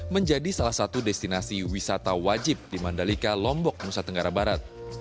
menjadi salah satu destinasi wisata wajib di mandalika lombok nusa tenggara barat